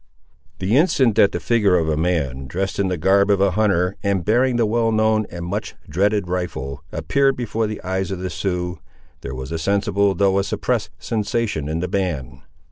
The instant that the figure of a man dressed in the garb of a hunter, and bearing the well known and much dreaded rifle, appeared before the eyes of the Siouxes, there was a sensible, though a suppressed sensation in the band.